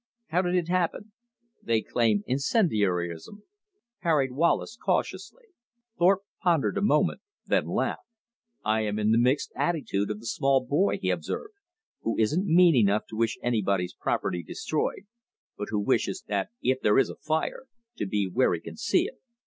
How did it happen?" "They claim incendiarism," parried Wallace cautiously. Thorpe pondered a moment, then laughed. "I am in the mixed attitude of the small boy," he observed, "who isn't mean enough to wish anybody's property destroyed, but who wishes that if there is a fire, to be where he can see it.